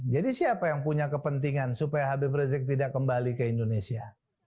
jadi siapa yang punya kepentingan supaya habib rizik tidak kembali ke indonesia